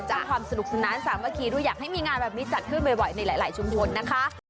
ความสนุกสนานสามัคคีด้วยอยากให้มีงานแบบนี้จัดขึ้นบ่อยในหลายชุมชนนะคะ